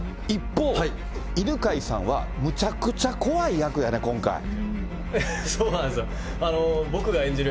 一方、犬飼さんはむちゃくちゃ怖い役やね、今回。